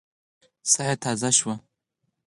ساه يې تازه شوه.